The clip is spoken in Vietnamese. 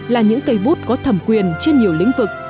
là những cây bút có thẩm quyền trên nhiều lĩnh vực